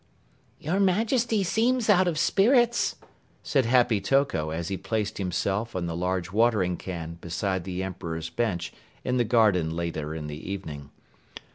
"Your Majesty seems out of spirits," said Happy Toko as he placed himself and the huge watering can beside the Emperor's bench in the garden later in the evening.